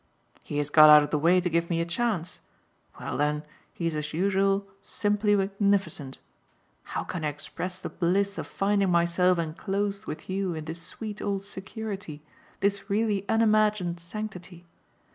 "He has got out of the way to give me a chance? Well then he's as usual simply magnificent. How can I express the bliss of finding myself enclosed with you in this sweet old security, this really unimagined sanctity?